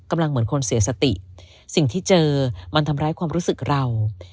เหมือนคนเสียสติสิ่งที่เจอมันทำร้ายความรู้สึกเรา